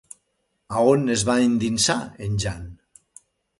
A on es va endinsar en Jan?